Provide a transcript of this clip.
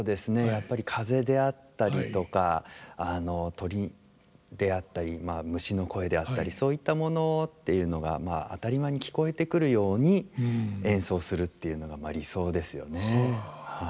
やっぱり風であったりとか鳥であったり虫の声であったりそういったものっていうのが当たり前に聞こえてくるように演奏するっていうのがまあ理想ですよね。